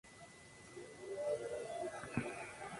El actor Yoo Seung-yong interpretó a Tae-oh de joven.